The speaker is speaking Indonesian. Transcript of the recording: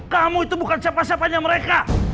kamu itu bukan siapa siapanya mereka